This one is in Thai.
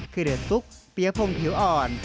คือเดือดซุกเปียพงศ์เขียวอ่อน